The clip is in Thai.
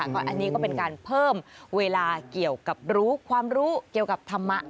ก็อันนี้ก็เป็นการเพิ่มเวลาเกี่ยวกับรู้ความรู้เกี่ยวกับธรรมะ